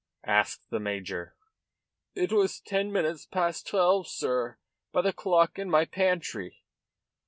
asked the major. "It was ten minutes past twelve, sir, by the clock in my pantry."